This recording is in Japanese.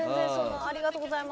ありがとうございます。